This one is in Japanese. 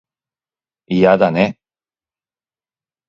嫌だね